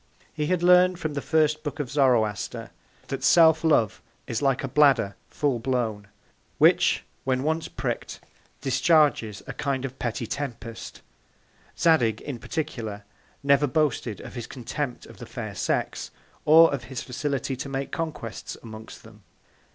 He had learned from the first Book of Zoroaster, that Self love is like a Bladder full blown, which when once prick'd, discharges a kind of petty Tempest. Zadig, in particular, never boasted of his Contempt of the Fair Sex, or of his Facility to make Conquests amongst them.